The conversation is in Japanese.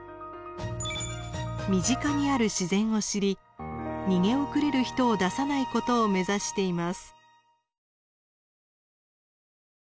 身近にある自然を知り逃げ遅れる人を出さないことを目指しています。